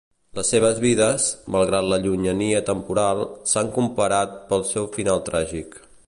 Les seves vides, malgrat la llunyania temporal, s'han comparat pel seu final tràgic.